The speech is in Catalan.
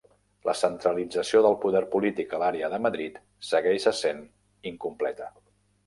La centralització del poder polític a l'àrea de Madrid segueix essent incompleta.